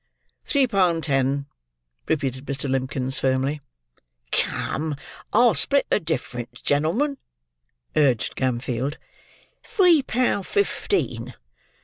"Three pound ten," repeated Mr. Limbkins, firmly. "Come! I'll split the diff'erence, gen'l'men," urged Gamfield. "Three pound fifteen."